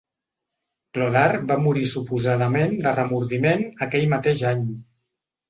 Chlothar va morir suposadament de remordiment aquell mateix any.